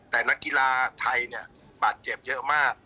แต่นักกีฬาไทยเนี่ยบาดเจ็บเยอะมาก